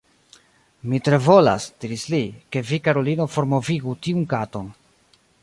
"Mi tre volas," diris li, "ke vi, karulino, formovigu tiun katon."